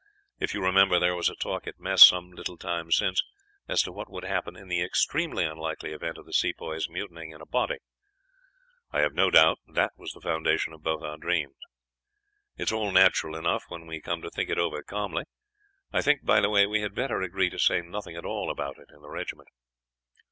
If you remember, there was a talk at mess some little time since as to what would happen in the extremely unlikely event of the Sepoys mutinying in a body. I have no doubt that was the foundation of both our dreams. It is all natural enough when we come to think it over calmly. I think, by the way, we had better agree to say nothing at all about it in the regiment.'